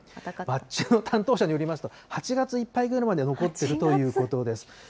町の担当者によりますと、８月いっぱいぐらいまで残っているということです。